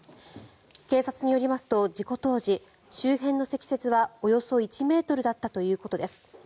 警察によりますと事故当時、周辺の積雪はおよそ１ｍだったということです。